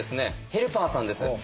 ヘルパーさんです。